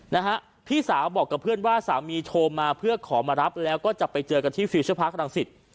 นะฮะพี่สาวบอกกับเพื่อนว่าสามีโทรมาเพื่อขอมารับแล้วก็จะไปเจอกันที่ฟิลเชอร์พาร์ครังสิต